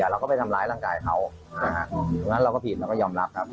เราก็ไปทำลายร่างกายเขาใช่ค่ะดังนั้นเราก็ผิดเราก็ยอมรับครับ